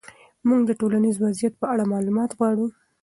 موږ د ټولنیز وضعیت په اړه معلومات غواړو.